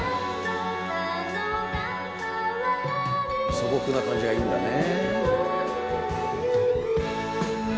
「素朴な感じがいいんだね」